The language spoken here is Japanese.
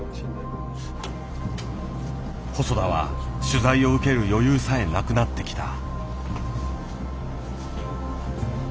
細田は取材を受ける余裕さえなくなってきた。